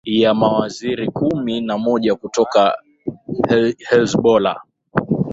ya mawaziri kumi na moja kutoka helzbolla